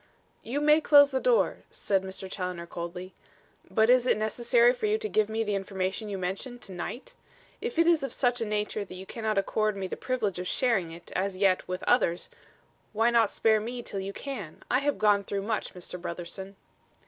"You may close the door," said Mr. Challoner coldly. "But is it necessary for you to give me the information you mention, to night? If it is of such a nature that you cannot accord me the privilege of sharing it, as yet, with others, why not spare me till you can? I have gone through much, Mr. Brotherson."